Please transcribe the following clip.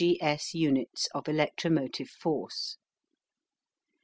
G. S. units of electromotive force.